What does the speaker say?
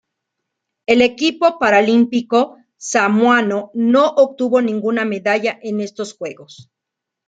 El equipo paralímpico samoano no obtuvo ninguna medalla en estos Juegos.